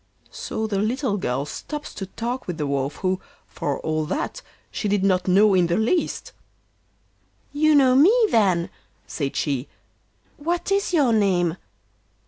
So the little girl stops to talk with the Wolf, who, for all that, she did not know in the least. 'You know me, then!' said she; 'what is your name?